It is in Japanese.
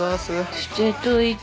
捨てといて。